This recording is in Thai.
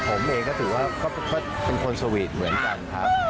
ผมเองก็ถือว่าก็เป็นคนสวีทเหมือนกันครับ